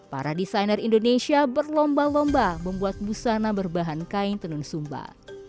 para desainer indonesia berlomba lomba membuat busana berbahan kain tenun sumba